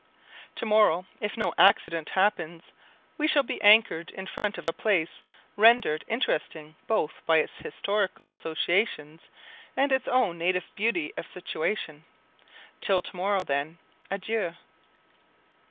To morrow, if no accident happens, we shall be anchored in front of a place rendered interesting both by its historical associations and its own native beauty of situation. Till to morrow, then, adieu.